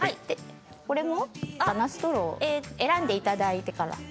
これも選んでいただいてから。